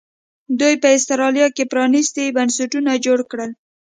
دوی په اسټرالیا کې پرانیستي بنسټونه جوړ کړل.